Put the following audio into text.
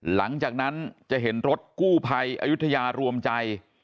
หลังจากนั้นจะเห็นรถกู้ภัยอายุทยารวมใจ